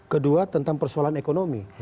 kedua tentang persoalan ekonomi